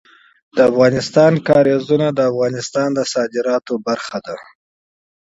د افغانستان جلکو د افغانستان د صادراتو برخه ده.